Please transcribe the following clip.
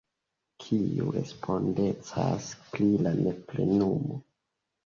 Kiu respondecas pri la neplenumo?